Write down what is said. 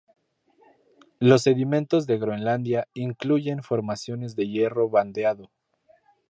Los sedimentos de Groenlandia incluyen formaciones de hierro bandeado.